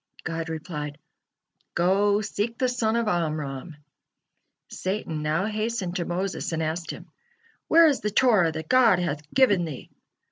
God replied: "Go, seek the son of Amram." Satan now hastened to Moses and asked him: "Where is the Torah that God hath given thee?"